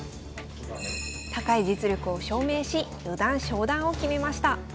高い実力を証明し四段昇段を決めました。